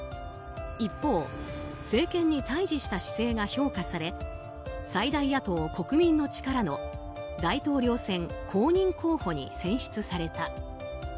一方、政権に対峙した姿勢が評価され最大野党・国民の力の大統領選公認候補に選出された。